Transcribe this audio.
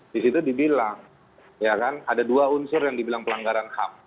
di situ dibilang ya kan ada dua unsur yang dibilang pelanggaran ham